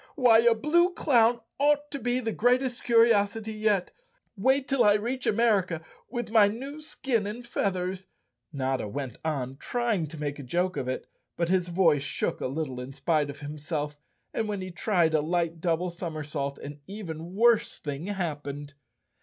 Why, a blue clown ought to be the greatest curiosity yet. Wait till I reach America with my new skin and feathers." Notta went on try¬ ing to make a joke of it, but his voice shook a little in spite of himself, and when he tried a light double som¬ ersault an even worse thing happened.